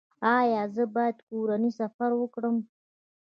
ایا زه باید کورنی سفر وکړم؟